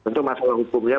tentu masalah hukumnya